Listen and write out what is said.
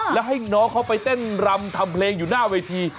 แล้วให้น้องเขาไปเต้นรำทำเพลงอยู่หน้าเวที